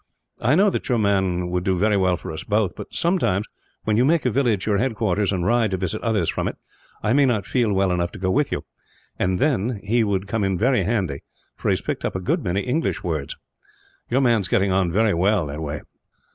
I know that your man would do very well for us both but, sometimes, when you make a village your headquarters and ride to visit others from it, I may not feel well enough to go with you; and then he would come in very handy, for he has picked up a good many words of English. Your man is getting on very well, that way."